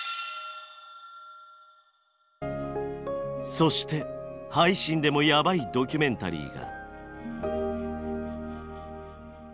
そして配信でもヤバいドキュメンタリーが。